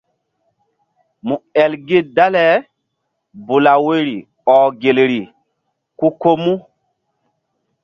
Mu el gi dale bula woyri ɔh gelri ku ko mu.